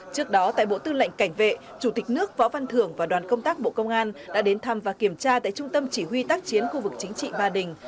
trước đó tại bộ tư lệnh cảnh vệ chủ tịch nước võ văn thưởng và đoàn công tác bộ công an đã đến thăm và kiểm tra tại trung tâm chỉ huy tác chiến khu vực chính trị ba đình